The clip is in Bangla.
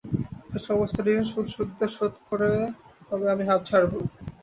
তাঁর সমস্ত ঋণ সুদসুদ্ধ শোধ করে তবে আমি হাঁপ ছাড়ব।